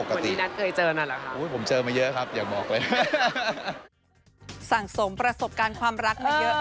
ก็เป็นเรื่องปกติ